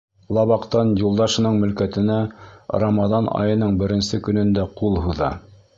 Лабаҡан юлдашының мөлкәтенә Рамаҙан айының беренсе көнөндә ҡул һуҙа.